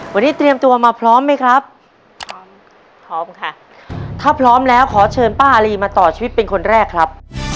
วันนี้เตรียมตัวมาพร้อมไหมครับพร้อมพร้อมค่ะถ้าพร้อมแล้วขอเชิญป้าอารีมาต่อชีวิตเป็นคนแรกครับ